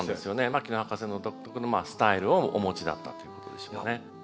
牧野博士の独特のスタイルをお持ちだったということですよね。